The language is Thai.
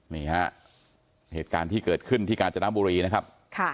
นี่ฮะเหตุการณ์ที่เกิดขึ้นที่กาญจนบุรีนะครับ